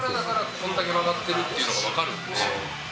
これだけ曲がってるっていうのが分かるので。